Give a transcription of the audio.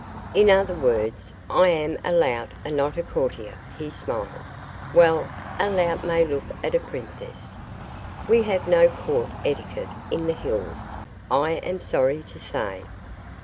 "In other words, I am a lout and not a courtier," he smiled. "Well, a lout may look at a princess. We have no court etiquette in the hills, I am sorry to say."